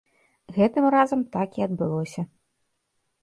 Гэтым разам так і адбылося.